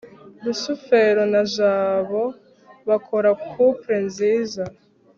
rusufero na jabo bakora couple nziza